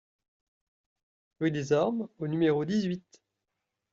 Rue des Ormes au numéro dix-huit